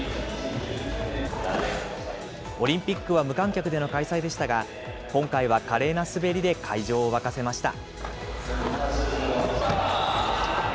オリンピックは無観客での開催でしたが、今回は華麗な滑りで会場を沸かせました。